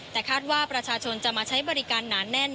แต่คาดว่าประชาชนจะมาใช้บริการหนาแน่น